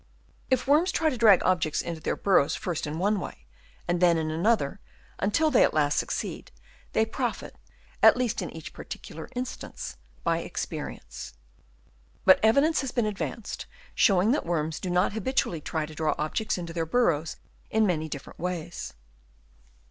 Now if worms try to drag objects into their burrows 98 HABITS OF WORMS. Chap. II. first in one way and then in another, until they at last succeed, they profit, at least in each particular instance, by experience. But evidence has been advanced showing that worms do not habitually try to draw objects into their burrows in many different ways.